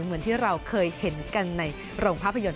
เหมือนที่เราเคยเห็นกันในโรงภาพยนตร์